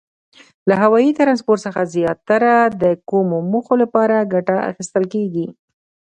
له هوایي ترانسپورت څخه زیاتره د کومو موخو لپاره ګټه اخیستل کیږي؟